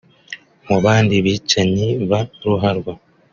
Mu bandi bicanyi ba ruharwa